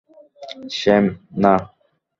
Sam, না!